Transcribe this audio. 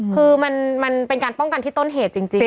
คือมันเป็นการป้องกันที่ต้นเหตุจริง